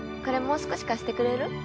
これもう少し貸してくれる？